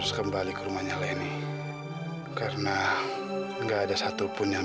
sampai jumpa di video selanjutnya